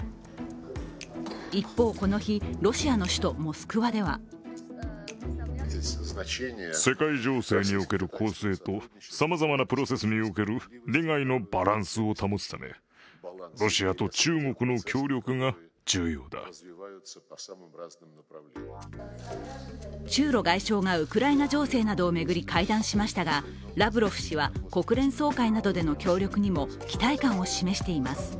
一方、この日、ロシアの首都モスクワでは中ロ外相がウクライナ情勢などを巡り会談しましたが、ラブロフ氏は国連総会などでの協力にも期待感を示しています。